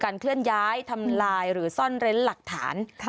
เคลื่อนย้ายทำลายหรือซ่อนเร้นหลักฐาน